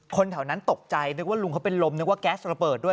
แถวนั้นตกใจนึกว่าลุงเขาเป็นลมนึกว่าแก๊สระเบิดด้วย